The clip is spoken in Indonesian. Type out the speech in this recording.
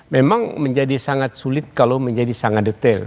memang menjadi sangat sulit kalau menjadi sangat detail